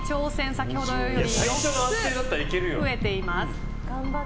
先ほどより４つ増えています。